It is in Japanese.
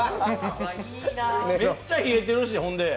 めっちゃ冷えてるし、ほんで。